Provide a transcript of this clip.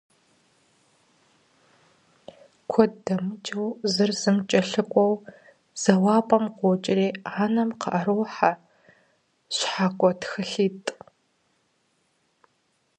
Куэд мыщӀэу зыр зым кӀэлъыкӀуэу зэуапӀэм къокӀри анэм къыӀэрохьэ щхьэкӀуэ тхылъитӀ.